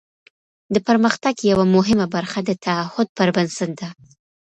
د پرمختګ یوه مهمه برخه د تعهد پر بنسټ ده.